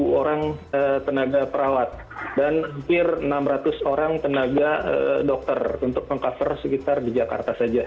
satu orang tenaga perawat dan hampir enam ratus orang tenaga dokter untuk meng cover sekitar di jakarta saja